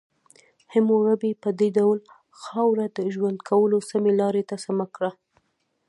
حموربي په دې ډول خاوره د ژوند کولو سمې لارې ته سمه کړه.